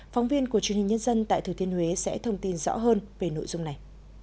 phóng viên của truyền hình nhân dân tại thừa thiên huế sẽ thông tin rõ hơn về nội dung này